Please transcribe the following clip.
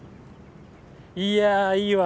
いやいいわ。